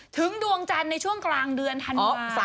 ดวงจันทร์ในช่วงกลางเดือนธันวาคม